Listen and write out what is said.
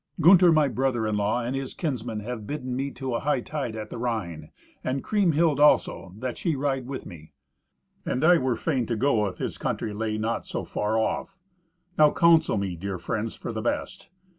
"Gunther my brother in law, and his kinsmen, have bidden me to a hightide at the Rhine, and Kriemhild also, that she ride with me. And I were fain to go if his country lay not so far off. Now counsel me, dear friends, for the best.